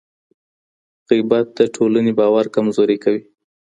غیبت د ټولني باور کمزوری کوي.